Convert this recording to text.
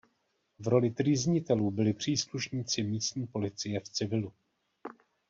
V roli trýznitelů byli příslušníci místní policie v civilu.